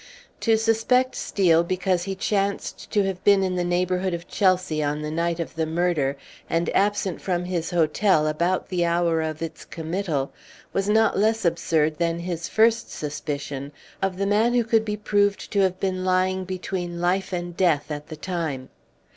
To suspect Steel because he chanced to have been in the neighborhood of Chelsea on the night of the murder, and absent from his hotel about the hour of its committal, was not less absurd than his first suspicion of the man who could be proved to have been lying between life and death at the time.